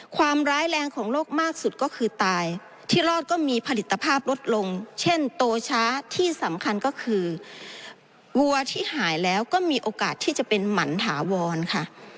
ความร้ายแรงของโลกมากสุดก็คือตายที่รอดก็มีผลิตภาพลดลงเช่นโตช้าที่สำคัญก็คือวัวที่หายแล้วก็มีโอกาสที่จะเป็นหมันถาวรค่ะ